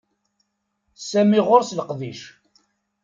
Sami ɣeṛ-s leqdic.